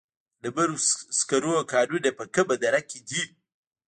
د ډبرو سکرو کانونه په کومه دره کې دي؟